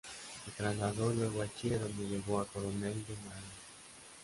Se trasladó luego a Chile, donde llegó a coronel de marina.